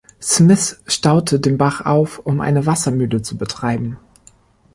Smith staute den Bach auf, um eine Wassermühle zu betreiben.